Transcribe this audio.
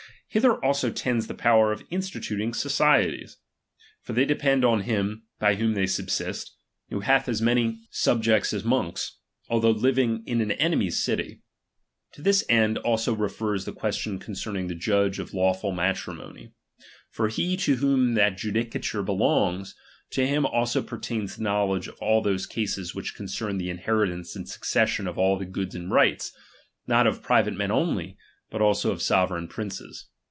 Hither also tends the power of instituting societies. For they depend on him by whom they subsist, who hath as many 318 xviii subjects as monks, although living in an enemy's ~' city. To this end also refers the question con '" 1'} cerning the judge of lawful matrimony. For he , reu to whom that judicature belongs, to him also per tains the knowledge of all those cases which con cern the inheritance and succession of all the goods and rights, not of private men only, but also of sovereign princes.